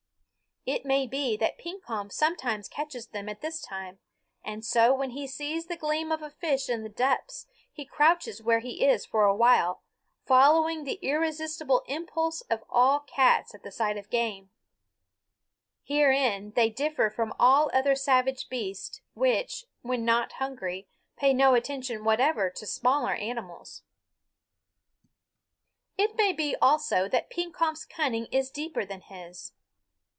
It may be that Pekompf sometimes catches them at this time, and so when he sees the gleam of a fish in the depths he crouches where he is for a while, following the irresistible impulse of all cats at the sight of game. Herein they differ from all other savage beasts, which, when not hungry, pay no attention whatever to smaller animals. [Illustration: "A flash of silver following the quick jerk of his paw"] It may be, also, that Pekompf's cunning is deeper than this.